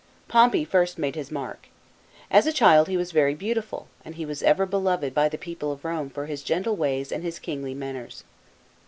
.Pompey first made his mark. As a child he was very beautiful, and he was ever beloved by the people of Rome for his gentle ways and his kingly maifners.